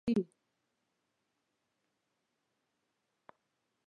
ژوندي زړونه لري